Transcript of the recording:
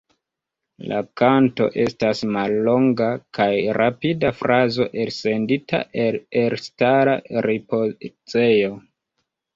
La kanto estas mallonga kaj rapida frazo elsendita el elstara ripozejo.